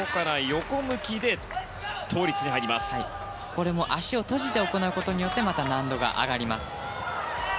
この倒立も足を閉じて行うことによってまた難度が上がります。